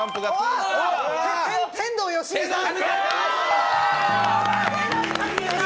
天童よしみさん！